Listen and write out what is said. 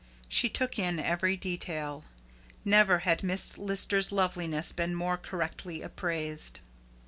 She took in every detail. Never had Miss Lister's loveliness been more correctly appraised.